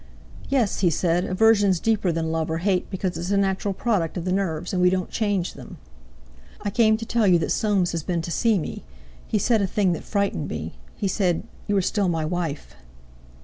"Yes!" he said, "aversion's deeper than love or hate because it's a natural product of the nerves, and we don't change them." "I came to tell you that Soames has been to see me. He said a thing that frightened me. He said: 'You are still my wife!